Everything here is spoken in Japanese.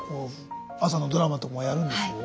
朝のドラマとかもやるんでしょう？